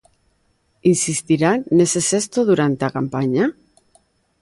Insistirá nese xesto durante a campaña?